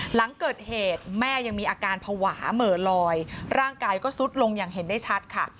หลังเกิดเหตุแม่ยังมีอาการภาวะเหม่อลอยร่างกายก็ซุดลงอย่างเห็นได้ชัดค่ะ